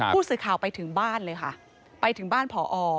ผู้สื่อข่าวไปถึงบ้านเลยค่ะไปถึงบ้านผอ